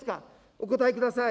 お答えください。